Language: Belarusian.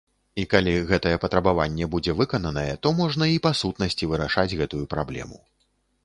І калі гэтае патрабаванне будзе выкананае, то можна і па сутнасці вырашаць гэтую праблему.